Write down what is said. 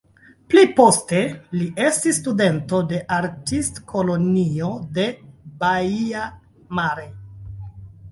Pli poste li estis studento de Artistkolonio de Baia Mare.